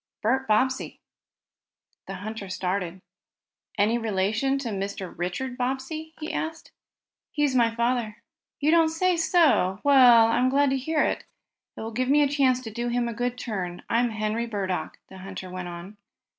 "Bert Bobbsey." The hunter started. "Any relation to Mr. Richard Bobbsey?" he asked. "He's my father." "You don't say so! Well, I'm glad to hear that. It will give me a chance to do him a good turn. I'm Henry Burdock," the hunter went on.